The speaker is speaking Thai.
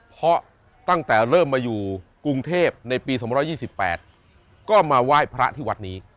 เพราะตั้งแต่เริ่มมาอยู่กรุงเทพในปี๒๒๘ก็มาไหว้พระที่วัดนี้